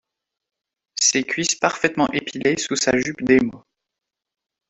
Ses cuisses parfaitement épilées sous sa jupe d’émo.